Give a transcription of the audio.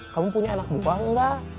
kamu punya anak buah enggak